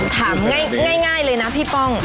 ถามง่ายเลยนะพี่ป้อง